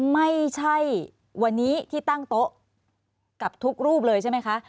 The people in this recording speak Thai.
ไม่ใช่วันนี้ที่ตั้งโต๊ะกับทุกรูปเลยใช่ไหมคะ